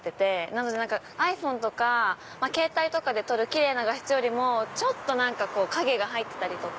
なのでｉＰｈｏｎｅとかケータイで撮る奇麗な画質よりもちょっと影が入ってたりとか